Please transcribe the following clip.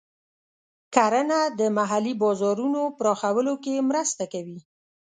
کرنه د محلي بازارونو پراخولو کې مرسته کوي.